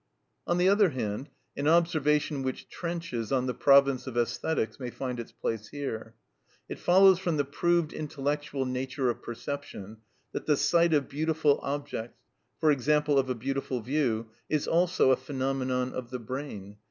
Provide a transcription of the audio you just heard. On the other hand, an observation which trenches on the province of æsthetics may find its place here. It follows from the proved intellectual nature of perception that the sight of beautiful objects—for example, of a beautiful view—is also a phenomenon of the brain.